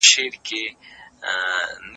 ته رڼا ورلره راوله له لمره